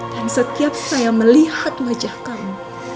dan setiap saya melihat wajah kamu